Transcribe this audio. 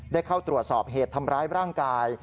ได้เข้าตรวจสอบเหตุทำร้ายร่างกาย